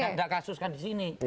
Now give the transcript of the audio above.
tidak kasuskan disini